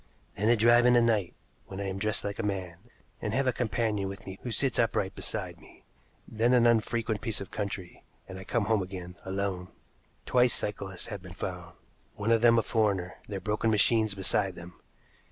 Then a drive in the night, when I am dressed like a man, and have a companion with me who sits upright beside me, then an unfrequented piece of country, and I come home again alone. Twice cyclists have been found one of them a foreigner their broken machines beside them.